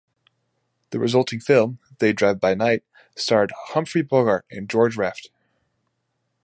The resulting film, "They Drive By Night", starred Humphrey Bogart and George Raft.